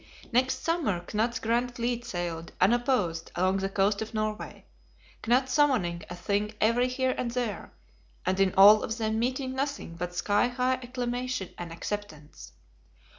Next summer, Knut's grand fleet sailed, unopposed, along the coast of Norway; Knut summoning a Thing every here and there, and in all of them meeting nothing but sky high acclamation and acceptance.